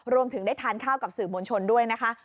รวมถึงได้ทานข้าวกับสื่อมวลชนด้วยนะคะ